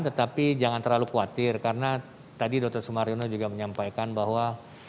tetapi jangan terlalu khawatir karena tadi dr sumaryono juga menyampaikan bahwa